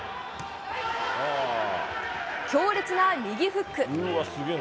強烈な右フック！